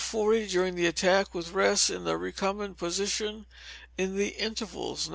40 during the attack, with rest in the recumbent position; in the intervals, No.